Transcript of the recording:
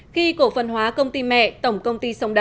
khi cổ phần hóa công ty mẹ tổng công ty sông đà